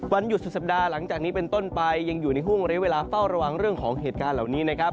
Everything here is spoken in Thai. หยุดสุดสัปดาห์หลังจากนี้เป็นต้นไปยังอยู่ในห่วงเรียกเวลาเฝ้าระวังเรื่องของเหตุการณ์เหล่านี้นะครับ